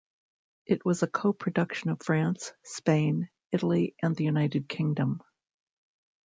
It was a co-production of France, Spain, Italy and The United Kingdom.